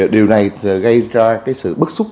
điều này gây ra sự bất xúc